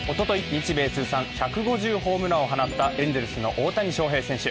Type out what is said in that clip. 日米通算１５０号ホームランを放ったエンゼルスの大谷翔平選手。